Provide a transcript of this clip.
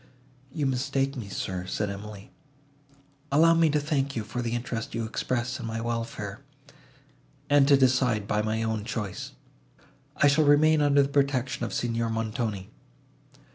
"You mistake me, sir," said Emily. "Allow me to thank you for the interest you express in my welfare, and to decide by my own choice. I shall remain under the protection of Signor Montoni."